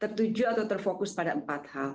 tertujuh atau terfokus pada empat hal